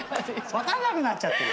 分かんなくなっちゃってる。